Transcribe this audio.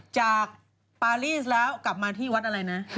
จากปารีสแล้วกลับมาที่วัดอะไรนะ